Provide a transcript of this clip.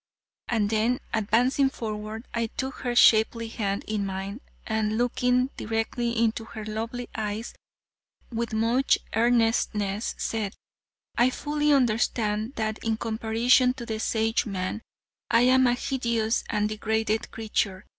And then, advancing forward, I took her shapely hand in mine, and, looking directly into her lovely eyes with much earnestness, said: "I fully understand that in comparison to the Sage man, I am a hideous and degraded creature.